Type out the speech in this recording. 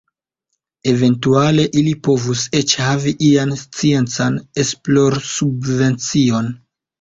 Eventuale ili povus eĉ havi ian sciencan esplorsubvencion.